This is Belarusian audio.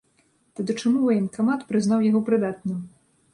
Тады чаму ваенкамат прызнаў яго прыдатным?